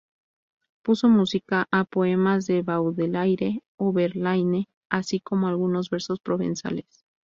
Puso música a poemas de Baudelaire o Verlaine, así como algunos versos provenzales.